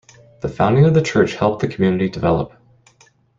The founding of the church helped the community develop.